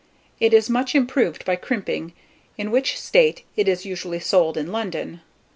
It is much improved by crimping; in which state it is usually sold in London.